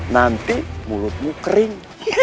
nanti mulutmu kering